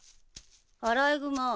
アライグマ。